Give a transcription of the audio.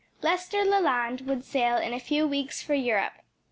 _ Lester Leland would sail in a few weeks for Europe.